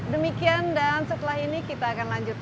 demikian dan setelah ini kita akan lanjut lagi